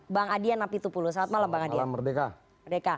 bang adia napi tupulu selamat malam